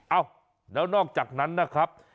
เอ้าแล้วนอกจากนั้นนะครับ